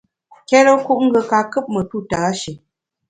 Nkérekut ngùe ka kùp metu tâshé.